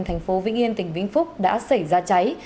thành phố vĩnh yên tỉnh vĩnh phúc đã xảy ra cháy